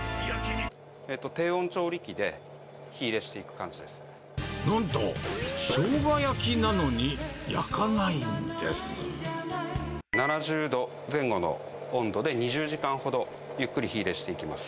低温調理器で火入れしていくなんと、しょうが焼きなのに、７０度前後の温度で２０時間ほど、ゆっくり火入れしていきます。